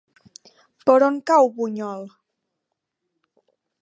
Per on cau Bunyol?